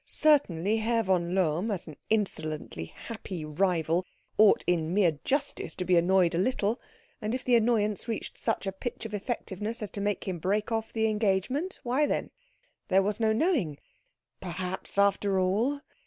Certainly Herr von Lohm, as an insolently happy rival, ought in mere justice to be annoyed a little; and if the annoyance reached such a pitch of effectiveness as to make him break off the engagement, why then there was no knowing perhaps after all